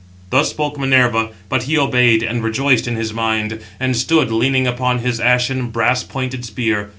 Thus spoke Minerva; but he obeyed, and rejoiced in his mind; and stood, leaning upon his ashen, brass pointed spear.